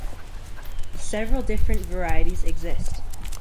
Several different varieties exist.